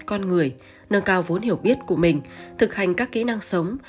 con người nâng cao vốn hiểu biết của mình thực hành các kỹ năng sống